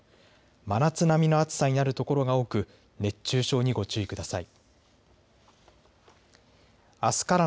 真夏並みの暑さになる所が多く熱中症にご注意ください。